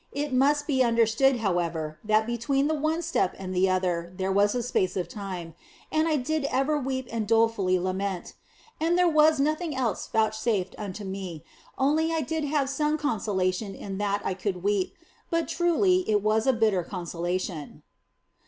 It must be understood, however, that between the one step OF FOLIGNO 3 and another there was a space of time, and I did ever weep and dolefully lament ; and there was nothing else vouch safed unto me, only I did have some consolation in that I could weep, but truly it was a bitter consolation.